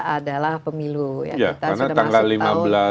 adalah pemilu ya karena tanggal